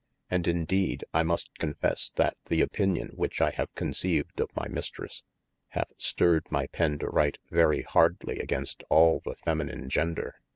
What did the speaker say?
And in deed I must confesse that the opinion which I have conceived of my Mistresse, hath stirred my penne to write very hardly agaynst all the feminine gender.